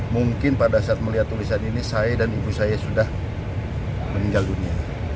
mungkin pada saat melihat tulisan ini saya dan ibu saya sudah meninggal dunia